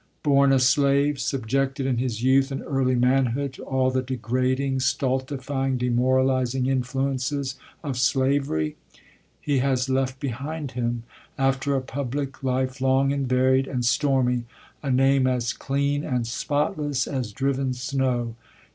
Born a slave, subjected in his youth and early manhood to all the degrading, stultifying, demoralizing influences of slavery, he has left behind him, after a public life long and varied and stormy, a name as clean and spotless as driven snow.